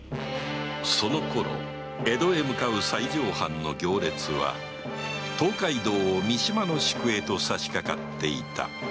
そのころ江戸へ向かう西条藩の行列は東海道を三島の宿へとさしかかっていた